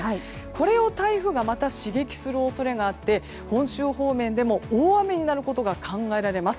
これを台風がまた刺激する恐れがあって本州方面でも大雨になることが考えられます。